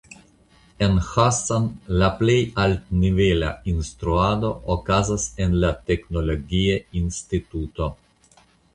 En Hassan la plej altnivela instruado okazas en la teknologia instituto.